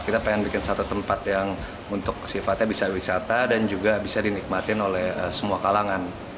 kita pengen bikin satu tempat yang untuk sifatnya bisa wisata dan juga bisa dinikmatin oleh semua kalangan